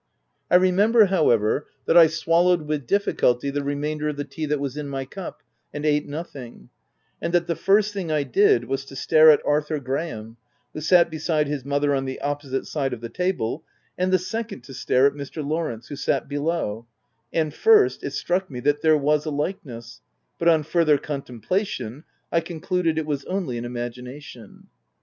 I remember, however, that I swallowed with difficulty the remainder of the tea that was in my cup, and eat nothing ; and 162 THE TENANT that the first thing I did was to stare at Arthur Graham, who sat beside his mother on the op posite side of the table, and the second to stare at Mr. Lawrence, who sat below ; and, first, it struck me that there was a likeness ; but, on further contemplation, I concluded it was only in imagination.